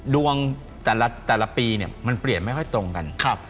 ดวงแต่ละปีเนี่ยมันเปลี่ยนไม่ค่อยตรงกัน